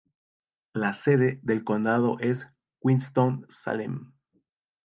La sede del condado es Winston-Salem.